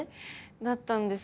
だったんですけど。